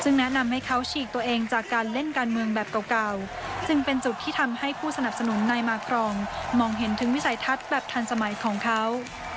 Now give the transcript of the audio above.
ซึ่งแนะนำให้เขาฉีกตัวเองจากการเล่นการเมืองแบบเก่าจึงเป็นจุดที่ทำให้ผู้สนับสนุนในมากรองมองเห็นถึงวิสัยทัศน์แบบทันสมัยของเขา